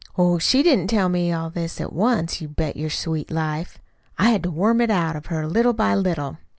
Oh, she didn't tell me all this at once, you bet your sweet life. I had to worm it out of her little by little.